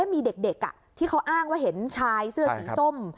มีเด็กที่เขาอ้างว่าเห็นชายเสื้อสีส้ม